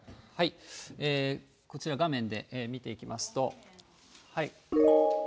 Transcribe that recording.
こちら画面で見ていきますと。